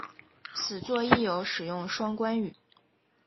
此作亦有使用双关语。